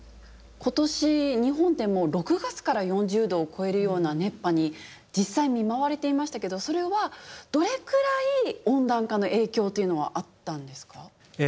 今年日本でも６月から４０℃を超えるような熱波に実際見舞われていましたけどそれはどれくらい温暖化の影響というのはあったんですか？